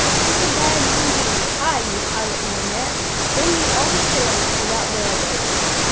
"Sugar bags, indeed! Hi! you pilot man there! lend me all the sails for that whale boat."